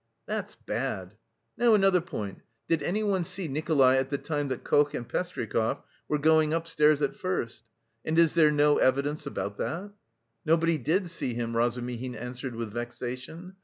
"That's bad. Now another point. Did anyone see Nikolay at the time that Koch and Pestryakov were going upstairs at first, and is there no evidence about that?" "Nobody did see him," Razumihin answered with vexation.